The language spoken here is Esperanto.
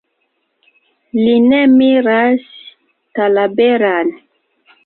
Li ne miras Talaberan.